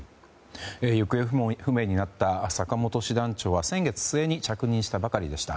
行方不明になった坂本師団長は先月末に着任したばかりでした。